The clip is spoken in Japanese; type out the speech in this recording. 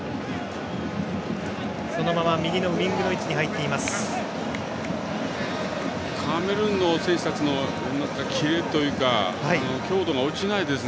そのまま右のウイングの位置に入っています。